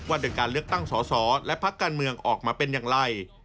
ในการเลือกตั้งสอสอและพักการเมืองออกมาเป็นอย่างไร